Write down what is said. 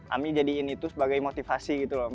ami jadiin itu sebagai motivasi gitu loh